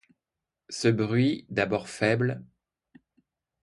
Ce bruit, d'abord faible.